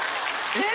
え⁉